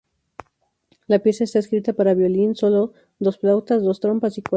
La pieza está escrita para violín solo, dos flautas, dos trompas y cuerdas.